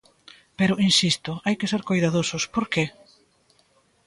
Pero, insisto, hai que ser coidadosos ¿Por que?